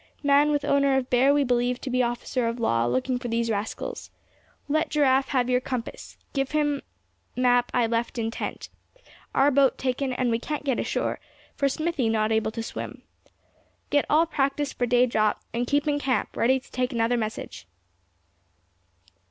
Man with owner of bear we believe to be officer of law, looking for these rascals. Let Giraffe have your compass. Give him map I left in tent. Our boat taken, and we can't get ashore, for Smithy not able to swim. Let all practice for day drop, and keep in camp, ready to take another message."